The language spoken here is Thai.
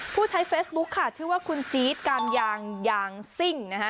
ผู้ใช้เฟซบุ๊คค่ะชื่อว่าคุณจี๊ดการยางยางซิ่งนะฮะ